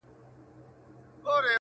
!کابل مه ورانوئ.!